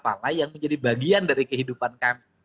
minyak kelapa lah yang menjadi bagian dari kehidupan kami